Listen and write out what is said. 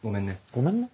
ごめんね。